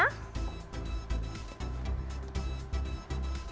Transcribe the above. ini juga aturan yang diperkenalkan